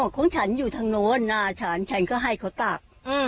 ของฉันอยู่ทางโน้นหน้าฉันฉันก็ให้เขาตัก